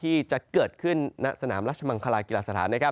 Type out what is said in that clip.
ที่จะเกิดขึ้นณสนามราชมังคลากีฬาสถาน